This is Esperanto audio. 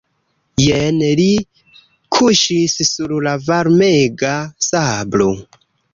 Jen li kuŝis sur la varmega sablo.